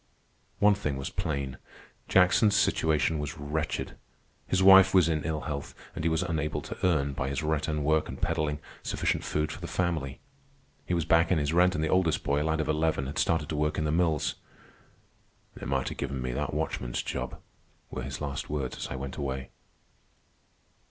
One thing was plain, Jackson's situation was wretched. His wife was in ill health, and he was unable to earn, by his rattan work and peddling, sufficient food for the family. He was back in his rent, and the oldest boy, a lad of eleven, had started to work in the mills. "They might a given me that watchman's job," were his last words as I went away.